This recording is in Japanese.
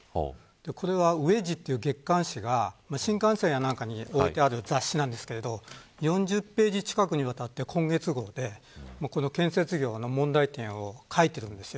これはＷＥＤＧＥという雑誌が新幹線の中に置いてある雑誌ですが４０ページ近くにわたって今月号で建設業の問題点を書いているんです。